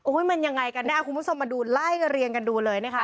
โอ้ยมันยังไงกันเนี่ยคุณผู้ชมมาดูล่ายเรียนกันดูเลยนะคะ